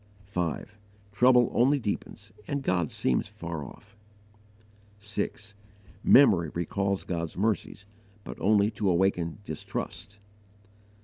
5. Trouble only deepens and God seems far off. 6. Memory recalls God's mercies, but only to awaken distrust.